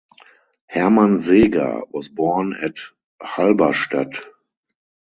Hermann Seeger was born at Halberstadt.